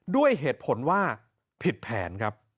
ด้วยเหตุผลว่าผิดแผนครับ